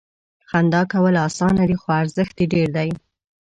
• خندا کول اسانه دي، خو ارزښت یې ډېر دی.